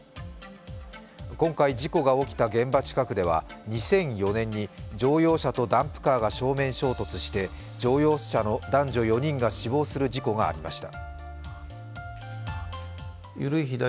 今回、事故が起きた現場近くでは２００４年に乗用車とダンプカーが正面衝突して乗用車の男女４人が死亡する事故がありました。